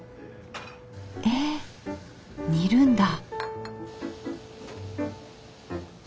え煮るんだ。